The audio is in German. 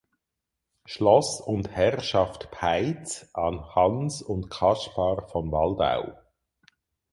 Schloss und Herrschaft Peitz an Hans und Kaspar von Waldau.